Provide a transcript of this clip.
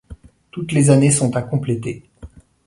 Toutes les années sont à compléter.